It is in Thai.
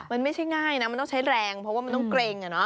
มันไม่ใช่ง่ายนะมันต้องใช้แรงเพราะว่ามันต้องเกร็ง